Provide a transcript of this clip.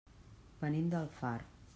Venim d'Alfarb.